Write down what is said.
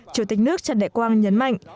chủ tịch nước trần đại quang nhấn mạnh